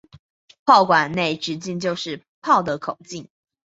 炮管的内直径就是炮的口径。